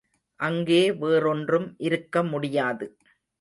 அங்கே வேறொன்றும் இருக்க முடியாது.